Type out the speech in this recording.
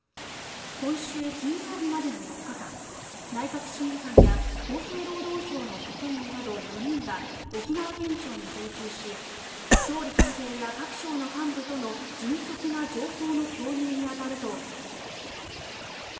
今週金曜日までの４日間内閣審議官や厚生労働省の職員など４人が沖縄県庁に常駐し総理官邸や各省の幹部との迅速な情報の共有に当たるということです。